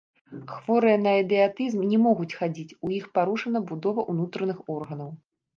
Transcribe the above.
Хворыя на ідыятызм не могуць хадзіць, у іх парушана будова ўнутраных органаў.